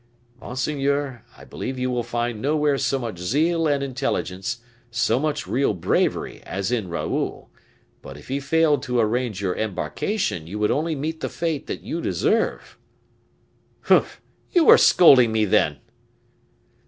"Monseigneur, I believe you will find nowhere so much zeal and intelligence, so much real bravery, as in Raoul; but if he failed to arrange your embarkation, you would only meet the fate that you deserve." "Humph! you are scolding me, then."